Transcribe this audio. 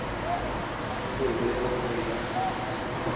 আমাকে দেখে কি শয়তান রাবণ বলে জল্পনা করো?